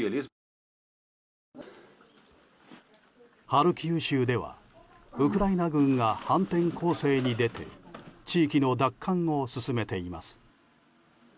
ハルキウ州ではウクライナ軍が反転攻勢に出て地域の奪還を進めています。